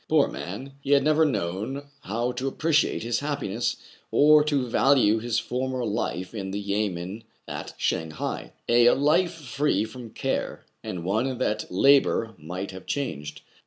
Poor man ! he had never known how to appreciate his happiness, or to value his former life in the yamen at Shang hai, — a life free from care, and one that labor might have changed.